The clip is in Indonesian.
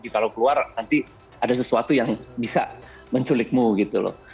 kalau keluar nanti ada sesuatu yang bisa menculikmu gitu loh